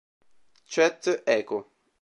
Cet Echo!".